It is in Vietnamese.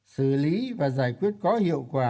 xử lý và giải quyết có hiệu quả